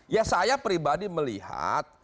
ya saya pribadi melihat